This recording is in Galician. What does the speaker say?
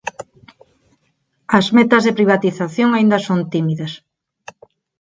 As metas de privatización aínda son tímidas.